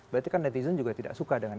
berarti kan netizen juga tidak suka dengan